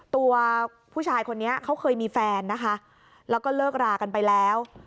ตัวผู้ชายคนนี้เขาเคยมีแฟนนะคะแล้วก็เลิกรากันไปแล้ว